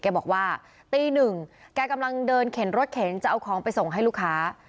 แกบอกว่าตีหนึ่งแกกำลังเดินเข็นรถเข็นจะเอาของไปส่งให้ลูกค้า